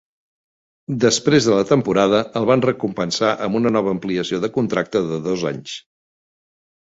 Després de la temporada el van recompensar amb una nova ampliació de contracte de dos anys.